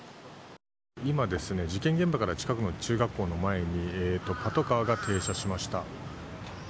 今、事件現場近くの中学校の前にパトカーが停車しました。